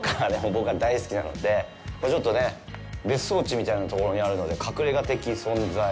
僕は大好きなので、ちょっと別荘地みたいなところにあるので、隠れ家的存在。